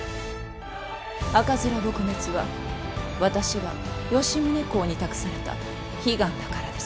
赤面撲滅は私が吉宗公に託された悲願だからです。